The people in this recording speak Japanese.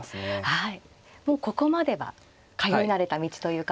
はい。